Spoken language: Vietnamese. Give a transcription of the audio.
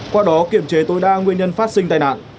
qua đó kiểm chế tối đa nguyên nhân phát sinh tai nạn